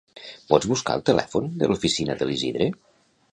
Pots buscar el telèfon de l'oficina de l'Isidre?